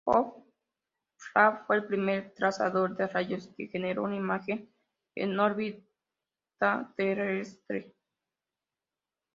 Pov-Ray fue el primer trazador de rayos que generó una imagen en órbita terrestre.